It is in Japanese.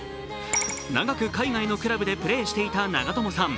長く海外のクラブでプレーしていた長友さん。